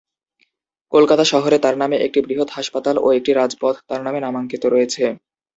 কলকাতা শহরে তার নামে একটি বৃহৎ হাসপাতাল ও একটি রাজপথ তার নামে নামাঙ্কিত রয়েছে।